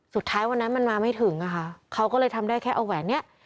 สุดท้ายวันนั้นมันมาไม่ถึงอะค่ะเขาก็เลยทำได้แค่เอาแหวนเนี้ย